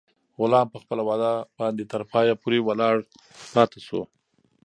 غلام په خپله وعده باندې تر پایه پورې ولاړ پاتې شو.